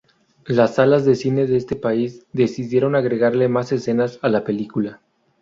Las salas de cine de este país decidieron agregarle más escenas a la película.